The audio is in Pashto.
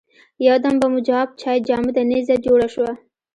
یو دم به مو جواب چای جامده نيزه جوړه شوه.